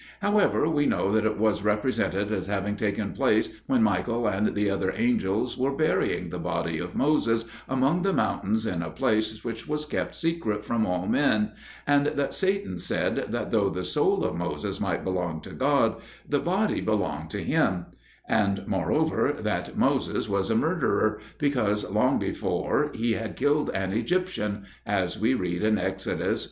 However, we know that it was represented as having taken place when Michael and the other angels were burying the body of Moses among the mountains in a place which was kept secret from all men, and that Satan said that though the soul of Moses might belong to God, the body belonged to him; and, moreover, that Moses was a murderer, because, long before, he had killed an Egyptian (as we read in Exodus ii.